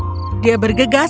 itu dia pangeran